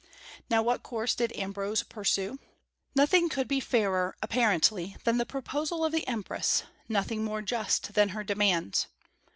Now what course did Ambrose pursue? Nothing could be fairer, apparently, than the proposal of the empress, nothing more just than her demands.